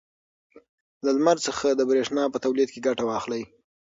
له لمر څخه د برېښنا په تولید کې ګټه واخلئ.